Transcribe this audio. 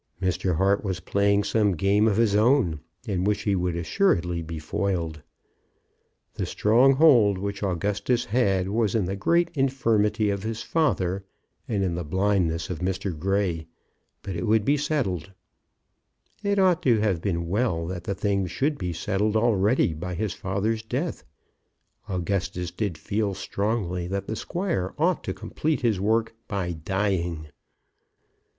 Mr. Hart was playing some game of his own, in which he would assuredly be foiled. The strong hold which Augustus had was in the great infirmity of his father and in the blindness of Mr. Grey, but it would be settled. It ought to have been well that the thing should be settled already by his father's death. Augustus did feel strongly that the squire ought to complete his work by dying.